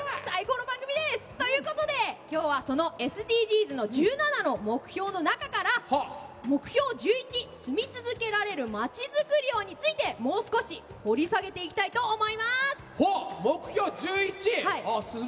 最高の番組だ！ということで、きょうはそのＳＤＧｓの１７の目標の中から「目標１１住み続けられるまちづくりを」についてもう少し掘り下げていきたいと思います！